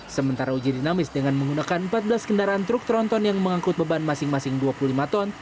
sementara uji dinamis dengan menggunakan empat belas kendaraan truk tronton yang mengangkut beban masing masing dua puluh lima ton